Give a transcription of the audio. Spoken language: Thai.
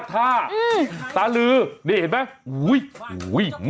นี่เห็นไหมอูยอูย